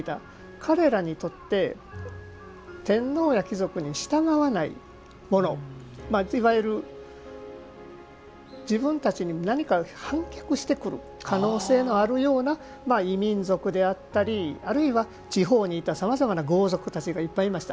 彼らにとって天皇や貴族に従わない者いわゆる自分たちに何か反逆してくる可能性があるような異民族であったりあるいは地方にいたさまざまな豪族たちがいっぱいいました。